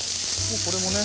もうこれもね